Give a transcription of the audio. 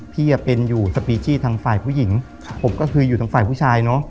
พี่เป็นอยู่สปีชีทางฝ่ายผู้หญิงผมก็คืออยู่ทางฝ่ายผู้ชายเนอะ